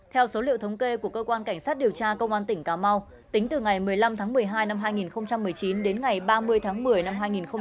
theo số liệu thống kê của cơ quan cảnh sát điều tra công an tỉnh cà mau tính từ ngày một mươi năm tháng một mươi hai năm hai nghìn một mươi chín đến ngày ba mươi tháng một mươi năm hai nghìn hai mươi